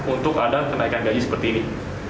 untuk ada kenaikan gaji seperti ini